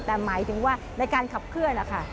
แต่หมายถึงว่าในการขับเคลื่อนนะคะ